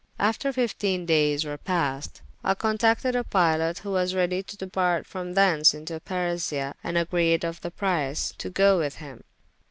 After fyftiene dayes were past, I couenaunted with a pilot, who was ready to departe from thence into Persia, and agreed of the price, to goe with him.